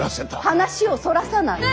話をそらさない！